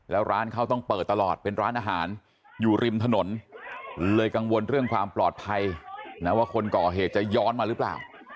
แล้วร้านเขาต้องเปิดตลอดเป็นร้านอาหารอยู่ริมถนนเลยกังวลเรื่องความปลอดภัยนะว่าคนก่อเหตุจะย้อนมาหรือเปล่า